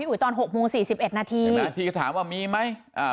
พี่อุ๋ยตอนหกโมงสี่สิบเอ็ดนาทีเขาถามว่ามีไหมอ่า